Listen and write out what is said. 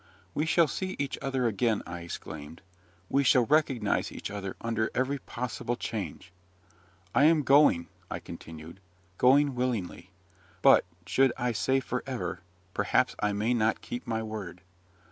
"We shall see each other again," I exclaimed: "we shall recognise each other under every possible change! I am going," I continued, "going willingly; but, should I say for ever, perhaps I may not keep my word.